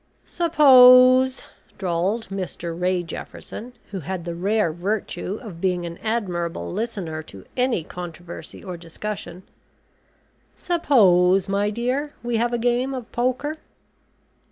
"Suppose," drawled Mr Ray Jefferson, who had the rare virtue of being an admirable listener to any controversy or discussion. "Suppose, my dear, we have a game of poker."